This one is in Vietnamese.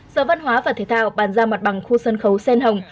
sở văn hóa và thể thao bàn ra mặt bằng khu sân khấu xen hồng